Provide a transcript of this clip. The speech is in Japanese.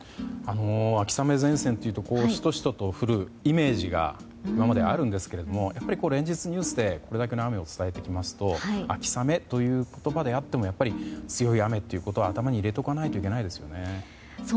秋雨前線というとシトシトと降るイメージが今まであるんですけど連日、ニュースでこれだけの雨を伝えてきますと秋雨という言葉であってもやはり強い雨ということを頭に入れておかないといけないですよね。